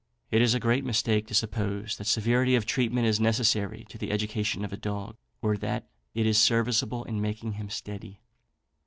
It is a great mistake to suppose that severity of treatment is necessary to the education of a dog, or that it is serviceable in making him steady.